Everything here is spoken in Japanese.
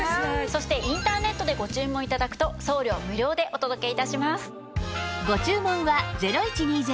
そしてインターネットでご注文頂くと送料無料でお届け致します。